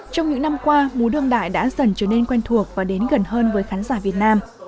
trong những năm qua múa đương đại đã dần trở nên quen thuộc và đến gần hơn với khán giả việt nam